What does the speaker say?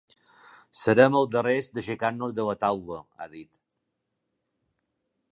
Serem els darrers d’aixecar-nos de la taula, ha dit.